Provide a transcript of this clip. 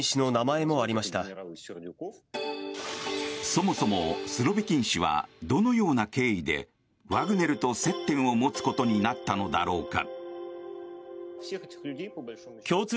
そもそもスロビキン氏はどのような経緯でワグネルと接点を持つことになったのだろうか。